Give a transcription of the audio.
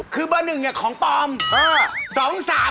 คือเบอร์หนึ่งนี่ของปลอม